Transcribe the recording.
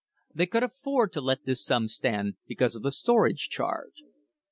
They could afford to let this sum stand because of the storage charge.